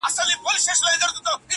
پیدا کړی چي خدای تاج او سلطنت دی،